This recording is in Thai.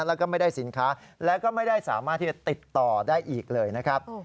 แล้วก็ไม่ได้สินค้าแล้วก็ไม่ได้สามารถที่จะติดต่อได้อีกเลยนะครับ